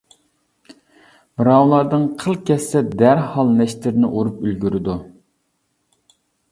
بىراۋلاردىن قىل كەتسە دەرھال نەشتىرىنى ئۇرۇپ ئۈلگۈرىدۇ.